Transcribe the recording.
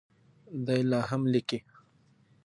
دی لا هم لیکي.